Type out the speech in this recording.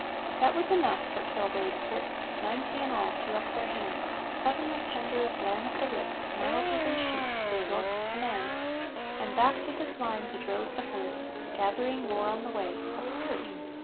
That was enough for kill babe Fritz: Ninety in all threw up their hands, Suddenly tender as lamb at the Ritz, Milder than sheep to a York's commands; And back to his line he drove the herd, Gathering more on the way Absurd!